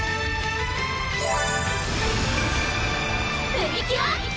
プリキュア！